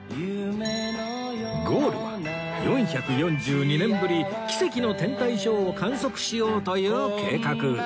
ゴールは４４２年ぶり奇跡の天体ショーを観測しようという計画